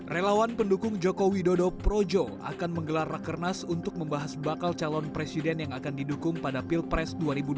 relawan pendukung jokowi dodo projo akan menggelar rakernas untuk membahas bakal calon presiden yang akan didukung pada pilpres dua ribu dua puluh